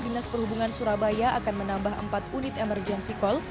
dinas perhubungan surabaya akan menambah empat unit emergency call